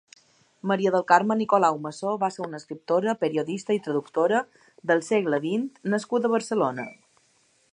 Maria del Carme Nicolau Massó va ser una escriptora, periodista i traductora del segle vint nascuda a Barcelona.